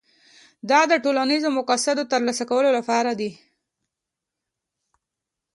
دا د ټولنیزو مقاصدو د ترلاسه کولو لپاره دي.